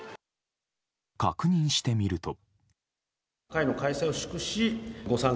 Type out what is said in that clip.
確認してみると。